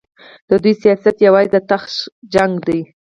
د دوی سیاست یوازې د تخت شخړه ده.